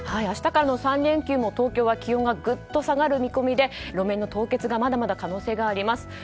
明日からの３連休も東京は気温がぐっと下がる見込みで路面の凍結がまだまだ可能性があります。